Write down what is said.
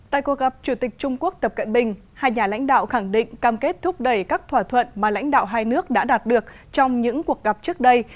tại cuộc gặp chủ tịch trung quốc tập cận bình hai nhà lãnh đạo khẳng định cam kết thúc đẩy các thỏa thuận mà lãnh đạo hai nước đã đạt được trong những cuộc gặp trước đây